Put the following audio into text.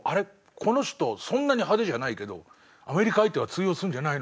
この人そんなに派手じゃないけどアメリカ相手は通用するんじゃないの？